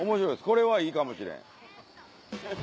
これはいいかもしれん。